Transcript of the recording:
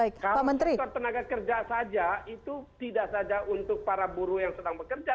kalau sektor tenaga kerja saja itu tidak saja untuk para buruh yang sedang bekerja